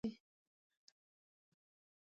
حتی که زما ژبه وايي.